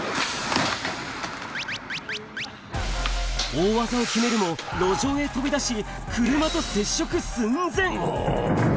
大技を決めるも、路上へ飛び出し、車と接触寸前。